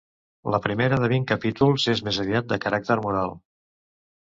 La primera, de vint capítols, és més aviat de caràcter moral.